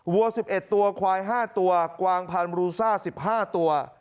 วัว๑๑ตัวควาย๕ตัวกวางพันธุรูซ่า๑๕ตัว